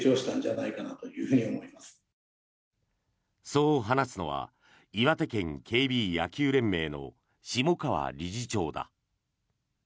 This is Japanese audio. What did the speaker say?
そう話すのは岩手県ＫＢ野球連盟の下川理事長だ。